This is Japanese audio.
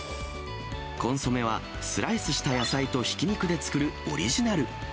コンソメはスライスした野菜とひき肉で作るオリジナル。